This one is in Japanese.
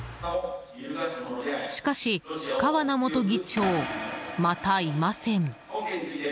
しかし川名元議長、またいません。